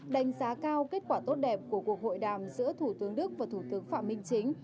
đánh giá cao kết quả tốt đẹp của cuộc hội đàm giữa thủ tướng đức và thủ tướng phạm minh chính